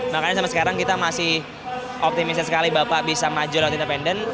makanya sampai sekarang kita masih optimis sekali bapak bisa maju lewat independen